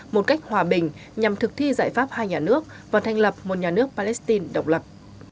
một cách hòa bình nhằm thực thi giải pháp hai nhà nước và thành lập một nhà nước palestine độc lập